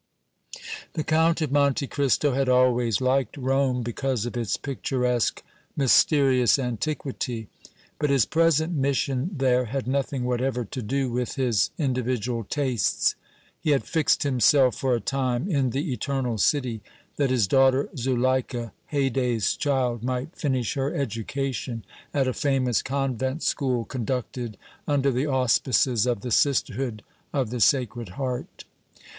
The Count of Monte Cristo had always liked Rome because of its picturesque, mysterious antiquity, but his present mission there had nothing whatever to do with his individual tastes. He had fixed himself for a time in the Eternal City that his daughter Zuleika, Haydée's child, might finish her education at a famous convent school conducted under the auspices of the Sisterhood of the Sacred Heart.